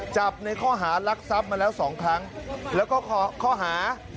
จับในข้อหารักทรัพย์มาแล้วสองครั้งแล้วก็ข้อหา